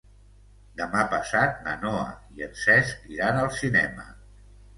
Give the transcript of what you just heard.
Demà passat na Noa i en Cesc iran al cinema.